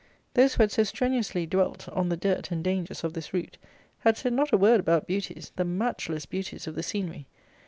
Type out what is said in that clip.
Those who had so strenuously dwelt on the dirt and dangers of this route, had said not a word about beauties, the matchless beauties of the scenery.